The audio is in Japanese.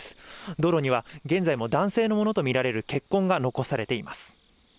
道路には現在も男性のものとみられる血痕が残されています。